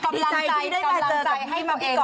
ดีใจที่ได้ไปเจอกับพี่มาพี่ก่อน